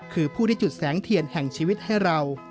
คือผู้ที่จุดแสงเทียนแห่งชีวิตให้เรา